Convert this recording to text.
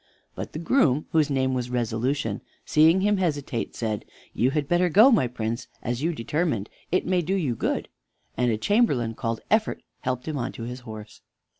But the groom, whose name was Resolution, seeing him hesitate, said: "You had better go, my Prince, as you determined; it may do you good." And a chamberlain called Effort helped him on his horse.